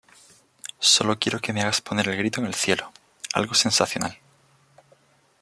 Solo quiero que me hagas poner el grito en el cielo, algo sensacional.